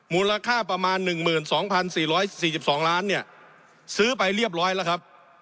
มูลค่าประมาณหนึ่งหมื่นสองพันสี่ร้อยสี่สิบสองล้านเนี่ยซื้อไปเรียบร้อยแล้วครับ